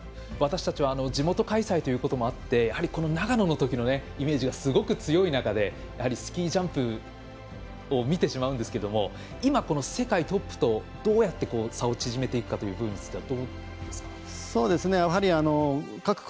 私たちは地元開催ということもあって長野のときのイメージがすごく強い中でスキー・ジャンプを見てしまうんですけど今、この世界トップとどうやって差を縮めていくかというのはどうですか？